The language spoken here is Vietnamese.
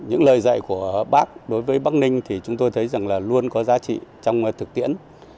những lời dạy của bác đối với bắc ninh thì chúng tôi thấy rằng là luôn có giá trị trong thực tiễn